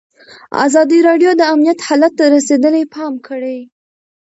ازادي راډیو د امنیت حالت ته رسېدلي پام کړی.